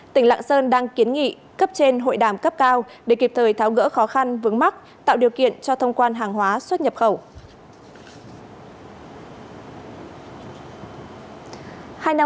tỉnh lạng sơn đang kiến nghị cấp trên hội đàm cấp cao để kịp thời tháo gỡ khó khăn vướng mắt tạo điều kiện cho thông quan hàng hóa xuất nhập khẩu